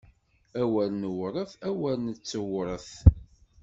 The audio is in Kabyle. Awer newṛet, awer nettewṛet!